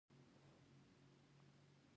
بستونه اته ګوني دي